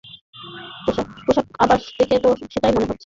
পোশাক-আশাক দেখে তো সেটাই মনে হচ্ছে।